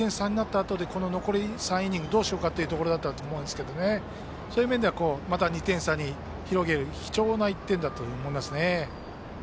あとで残り３イニングどうしようかというところだったと思うんですけどそういう面ではまた２点差に広げる貴重な１点だと思いますね。